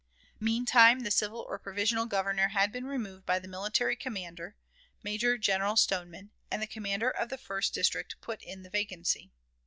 Meantime the civil or provisional Governor had been removed by the military commander, Major General Stoneman, and the commander of the first district put in the vacancy.